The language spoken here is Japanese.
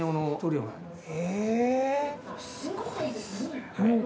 すごいですね。